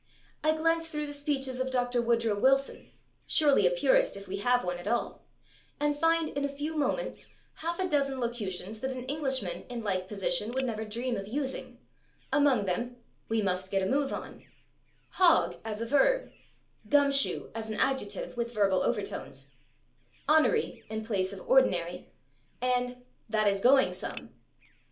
I glance through the speeches of Dr. Woodrow Wilson, surely a purist if we have one at all, and find, in a few moments, half a dozen locutions that an Englishman in like position would never dream of using, among them /we must get a move on/, /hog/ as a verb, /gum shoe/ as an adjective with [Pg026] verbal overtones, /onery/ in place of /ordinary/, and /that is going some